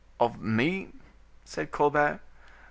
"Of me?" said Colbert.